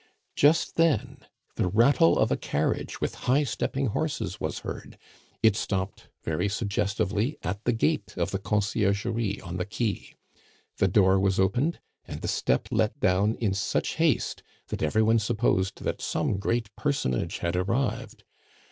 Just then the rattle of a carriage with high stepping horses was heard; it stopped very suggestively at the gate of the Conciergerie on the quay. The door was opened, and the step let down in such haste, that every one supposed that some great personage had arrived.